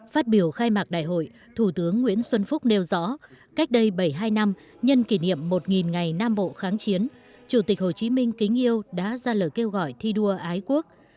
phát biểu khai mạc đại hội thủ tướng nguyễn xuân phúc nêu rõ cách đây bảy mươi hai năm nhân kỷ niệm một ngày nam bộ kháng chiến chủ tịch hồ chí minh kính yêu đã ra lời kêu gọi thi đua ái quốc